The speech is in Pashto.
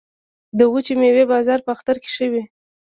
د وچې میوې بازار په اختر کې ښه وي